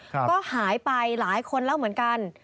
ก็หายไปหลายคนแล้วเหมือนกัน